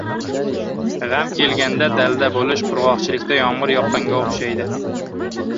• G‘am kelganda dalda bo‘lish qurg‘oqchilikda yomg‘ir yoqqanga o‘xshaydi.